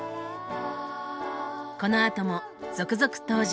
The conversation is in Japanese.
このあとも続々登場。